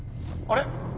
あれ？